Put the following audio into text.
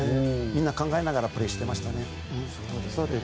みんな考えながらプレーしていましたね。